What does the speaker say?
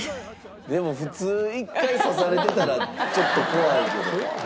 でも普通１回刺されてたらちょっと怖いけど。